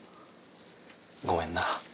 ごめんな。